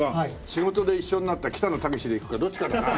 仕事で一緒になった北野武史でいくかどっちかだな。